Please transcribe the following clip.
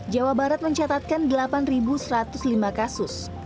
jawa barat mencatatkan delapan satu ratus lima kasus